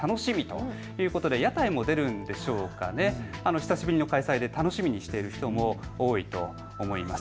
久しぶりの開催で楽しみにしている人も多いと思います。